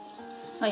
はい。